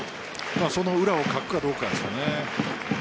その裏をかくかどうかですね。